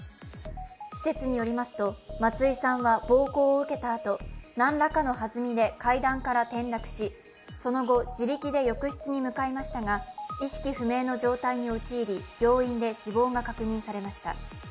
施設によりますと、松井さんは暴行を受けたあと、何らかのはずみで階段から転落し、その後、自力で浴室に向かいましたが意識不明の状態に陥り病院で死亡が確認されました。